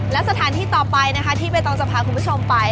และสถานที่ต่อไปนะคะที่ใบตองจะพาคุณผู้ชมไป